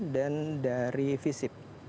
dan dari fisip